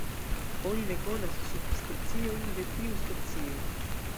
Oni ne konas subspeciojn de tiu specio.